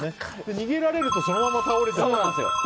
逃げられるとそのまま倒れちゃって。